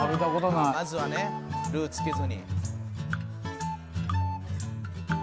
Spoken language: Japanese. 「まずはねルーつけずに」